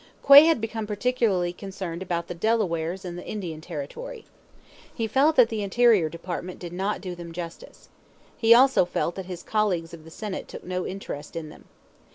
Quay had become particularly concerned about the Delawares in the Indian Territory. He felt that the Interior Department did not do them justice. He also felt that his colleagues of the Senate took no interest in them.